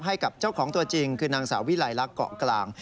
ให้กับเจ้าของตัวจริงคือนางสาววิลัยลักษ์เกาะกลาง